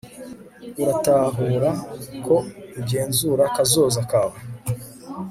uratahura ko ugenzura kazoza kawe